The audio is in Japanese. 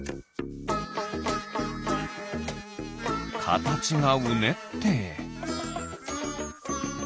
かたちがうねって。